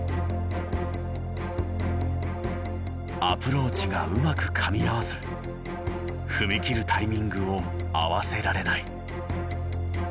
アプローチがうまくかみ合わず踏み切るタイミングを合わせられない。